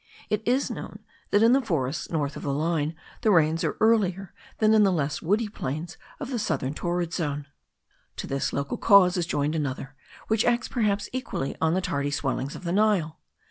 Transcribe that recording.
It is known that in the forests north of the line the rains are earlier than in the less woody plains of the southern torrid zone. To this local cause is joined another, which acts perhaps equally on the tardy swellings of the Nile.